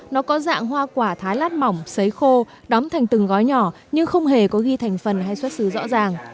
nó có dạng hoa quả thái lát mỏng xấy khô đóng thành từng gói nhỏ nhưng không hề có ghi thành phần hay xuất xứ rõ ràng